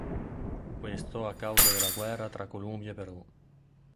Questo a causa della guerra tra Colombia e Perù.